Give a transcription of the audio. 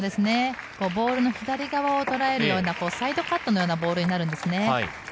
ボールの左側を捉えるようなサイドカットのボールになるんですね。